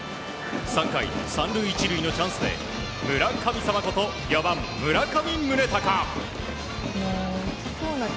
３回３塁１塁のチャンスで村神様こと４番、村上宗隆。